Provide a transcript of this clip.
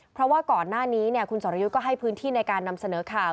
เพราะว่าก่อนหน้านี้คุณสรยุทธ์ก็ให้พื้นที่ในการนำเสนอข่าว